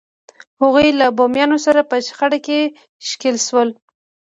هغوی له بومیانو سره په شخړه کې ښکېل شول.